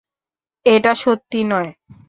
এটা সত্যি নয়।